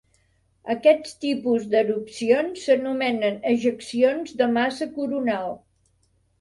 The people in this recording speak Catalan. Aquest tipus d'erupcions s'anomenen ejeccions de massa coronal.